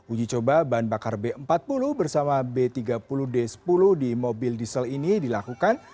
uji coba bahan bakar b empat puluh bersama b tiga puluh d sepuluh di mobil diesel ini dilakukan